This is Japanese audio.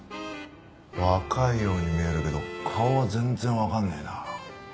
若いように見えるけど顔は全然わかんねえな。